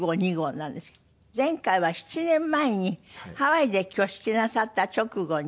前回は７年前にハワイで挙式なさった直後に。